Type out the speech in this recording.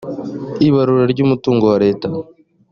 ibarura ry’umutungo wa leta